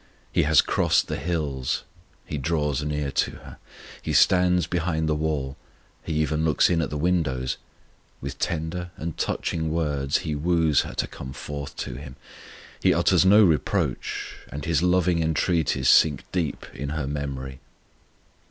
He has crossed the hills; He draws near to her; He stands behind the wall; He even looks in at the windows; with tender and touching words He woos her to come forth to Him. He utters no reproach, and His loving entreaties sink deep in her memory.